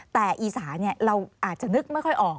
แต่อีสานเราอาจจะนึกไม่ค่อยออก